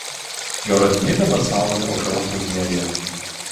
Jo radiniai dabar saugomi Aušros muziejuje.